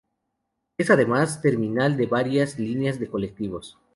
Es además terminal de varias líneas de colectivos.